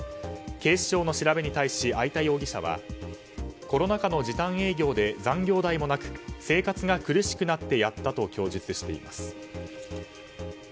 警視庁の調べに対し会田容疑者はコロナ禍の時短営業で残業代もなく生活が苦しくなってやったと供述しています。